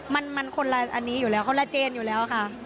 มันคนละอันนี้อยู่แล้วคนละเจนอยู่แล้วค่ะ